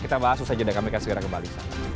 kita bahas selesai dan kami akan segera kembali